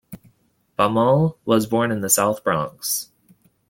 Baumol was born in the South Bronx.